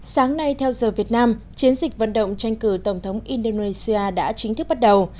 sáng nay theo giờ việt nam chiến dịch vận động tranh cử tổng thống indonesia đã chính thức bắt đầu